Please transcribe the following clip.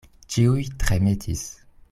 Ĉiuj tremetis.